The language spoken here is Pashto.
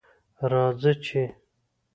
راځه چې